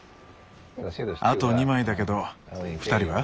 あと２枚だけどふたりは？